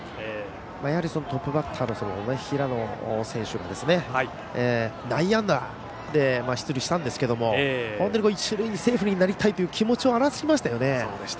やはりトップバッターの平野選手が内野安打で出塁したんですけれども本当にセーフになりたいという気持ちを表しましたよね。